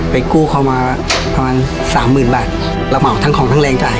กู้เขามาประมาณสามหมื่นบาทเราเหมาทั้งของทั้งแรงจ่าย